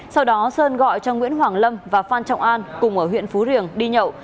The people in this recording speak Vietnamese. sau đó sơn gọi cho nguyễn hoàng lâm và phan trọng an cùng ở huyện phú riềng đi nhậu